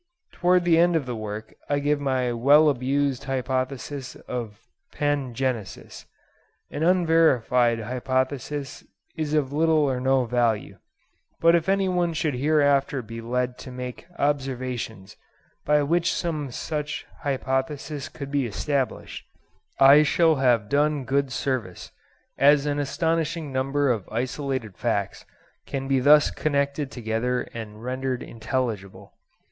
Towards the end of the work I give my well abused hypothesis of Pangenesis. An unverified hypothesis is of little or no value; but if anyone should hereafter be led to make observations by which some such hypothesis could be established, I shall have done good service, as an astonishing number of isolated facts can be thus connected together and rendered intelligible.